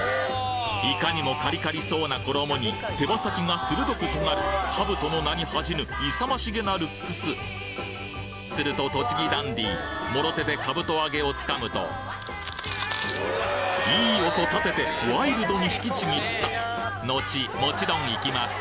いかにもカリカリそうな衣に手羽先が鋭く尖るかぶとの名に恥じぬ勇ましげなルックスすると栃木ダンディーもろ手でかぶと揚げを掴むといい音立ててワイルドに引きちぎったのちもちろんいきます